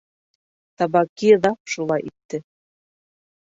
Табаки ҙа шулай итте.